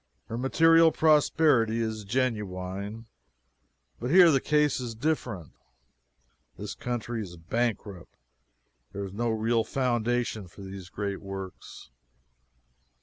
Her material prosperity is genuine. But here the case is different. This country is bankrupt. There is no real foundation for these great works.